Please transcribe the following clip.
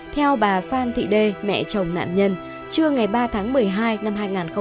theo bà phan thị đê mẹ chồng nạn nhân trưa ngày ba tháng một mươi hai năm hai nghìn một mươi tám